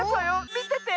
みてて！